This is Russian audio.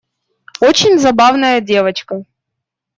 Очень забавная девочка.